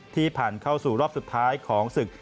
ที่ผ่านเข้าสู่รอบสุดท้ายของศึก